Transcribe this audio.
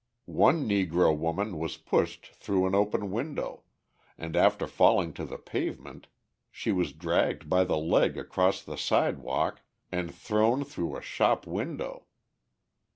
One Negro woman was pushed through an open window, and, after falling to the pavement, she was dragged by the leg across the sidewalk and thrown through a shop window.